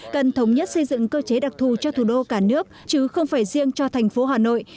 cần thống nhất xây dựng cơ chế đặc thù cho thủ đô cả nước chứ không phải riêng cho thành phố hà nội